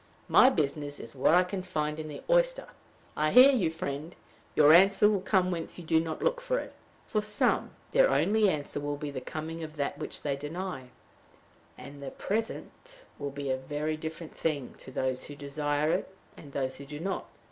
My business is what I can find in the oyster." I hear you, friend. Your answer will come whence you do not look for it. For some, their only answer will be the coming of that which they deny; and the Presence will be a very different thing to those who desire it and those who do not.